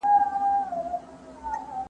اصول باید وساتل شي، خو ذوق هم مهم دی.